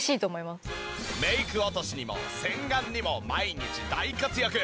メイク落としにも洗顔にも毎日大活躍！